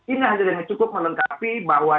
ini hanya dengan cukup menengkapi bahwa